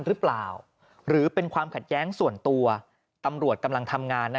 หรือเปล่าหรือเป็นความขัดแย้งส่วนตัวตำรวจกำลังทำงานนะ